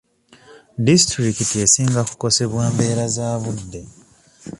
Disitulikiti esinga kukosebwa mbeera za budde.